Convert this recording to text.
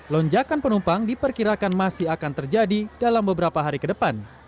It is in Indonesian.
lonjakan penumpang diperkirakan masih akan terjadi dalam beberapa hari ke depan